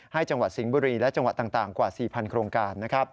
จังหวัดสิงห์บุรีและจังหวัดต่างกว่า๔๐๐โครงการ